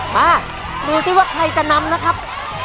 มาดูซิว่าใครจะนำนะครับ